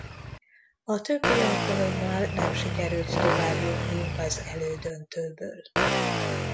A többi alkalommal nem sikerült továbbjutniuk az elődöntőből.